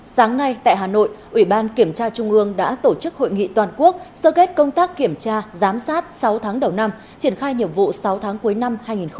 sáng nay tại hà nội ủy ban kiểm tra trung ương đã tổ chức hội nghị toàn quốc sơ kết công tác kiểm tra giám sát sáu tháng đầu năm triển khai nhiệm vụ sáu tháng cuối năm hai nghìn hai mươi